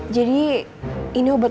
jadi ini obat